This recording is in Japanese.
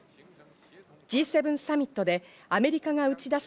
Ｇ７サミットでアメリカンが打ち出す